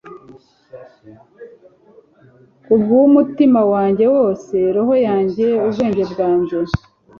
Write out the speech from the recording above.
kubwumutima wanjye wose, roho yanjye, ubwenge bwanjye